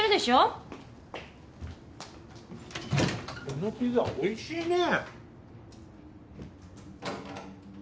このピザおいしいね！